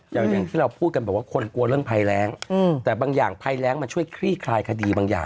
อย่างที่เราพูดกันบอกว่าคนกลัวเรื่องภัยแรงแต่บางอย่างภัยแรงมันช่วยคลี่คลายคดีบางอย่าง